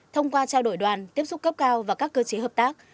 thông qua trao đổi đoàn tiếp xúc cấp cao và các cơ chế hợp tác